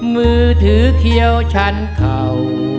มือถือเขียวชั้นเข่า